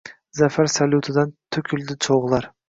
Zafar salyutidan to’kildi cho’g’lar.